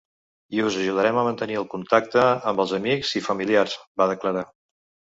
I us ajudarem a mantenir el contacte amb els amics i familiars, va declarar.